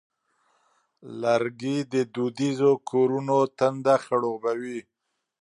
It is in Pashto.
لرګی د دودیزو کورونو تنده خړوبوي.